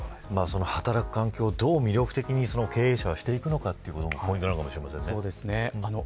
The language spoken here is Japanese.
働く環境を、どう魅力的に経営者がするのかがポイントなのかもしれませんね。